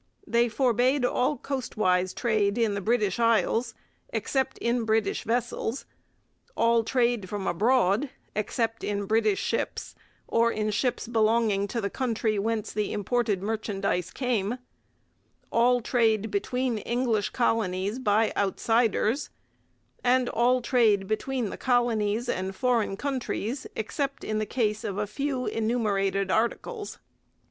They forbade all coastwise trade in the British Isles except in British vessels, all trade from abroad except in British ships or in ships belonging to the country whence the imported merchandise came, all trade between English colonies by outsiders, and all trade between the colonies and foreign countries, except in the case of a few enumerated articles.